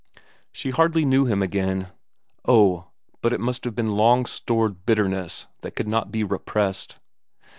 She hardly knew him again. Oh, but it must have been long stored bitterness that would not be repressed.